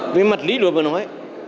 với mặt lý luật mà nói